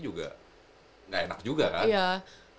juga nggak enak juga kan